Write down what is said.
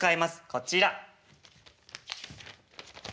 こちら。